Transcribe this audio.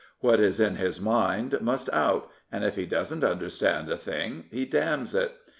What is in his mind must out, and if he doesn't understand a thing he damns it.